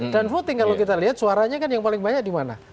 dan footing kalau kita lihat suaranya kan yang paling banyak di mana